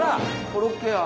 コロッケや。